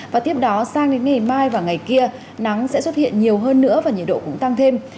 và tiếp đó sang đến ngày mai và ngày kia nắng sẽ xuất hiện nhiều hơn nữa và nhiệt độ cũng tăng thêm